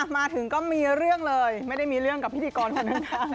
มาถึงก็มีเรื่องเลยไม่ได้มีเรื่องกับพิธีกรคนนั้น